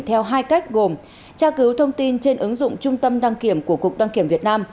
theo hai cách gồm tra cứu thông tin trên ứng dụng trung tâm đăng kiểm của cục đăng kiểm việt nam